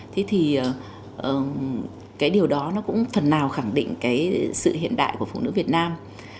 thế thì cái điều đó nó cũng phần nào khẳng định cái sự hiện đại của phụ nữ việt nam